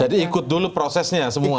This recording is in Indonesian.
jadi ikut dulu prosesnya semua